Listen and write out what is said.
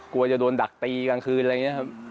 กลัวจะโดนดักตีกลางคืนอะไรอย่างนี้ครับ